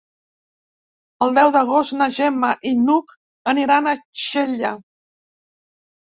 El deu d'agost na Gemma i n'Hug aniran a Xella.